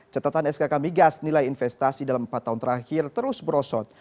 catatan skk migas nilai investasi dalam empat tahun terakhir terus berosot